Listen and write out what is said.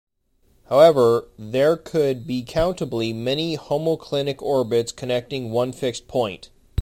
However, there could be countably many homoclinic orbits connecting one fixed point.